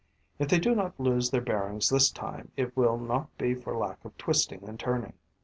If they do not lose their bearings this time, it will not be for lack of twisting and turning.